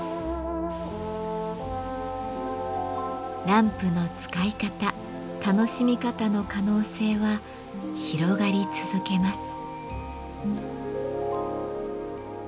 ランプの使い方楽しみ方の可能性は広がり続けます。